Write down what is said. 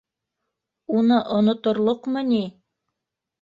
Уны оноторлоҡмо ни?!